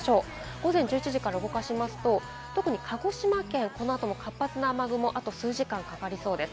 午前１１時から動かしますと特に鹿児島県、この後も活発な雨雲、あと数時間かかりそうです。